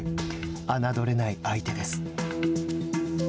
侮れない相手です。